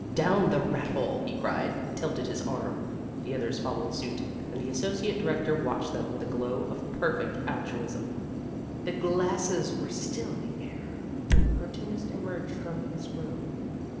"Down the rat hole!" he cried, and tilted his arm. The others followed suit, and the associate director watched them with a glow of perfect altruism. The glasses were still in air when the cartoonist emerged from his room.